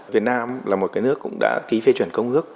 việt nam là một nước cũng đã ký phê chuyển công ước